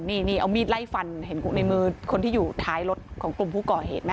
นี่เอามีดไล่ฟันเห็นในมือคนที่อยู่ท้ายรถของกลุ่มผู้ก่อเหตุไหม